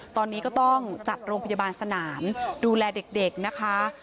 ตอนนี้ก็ต้องจัดโรงพยาบาลสนามดูแลเด็กนะคะ